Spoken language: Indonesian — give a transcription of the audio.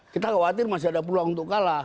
kita khawatir masih ada peluang untuk kalah